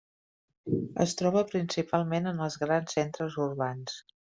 Es troba principalment en els grans centres urbans.